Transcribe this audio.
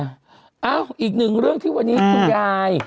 เอ้าอีกหนึ่งเรื่องที่วันนี้คุณยาย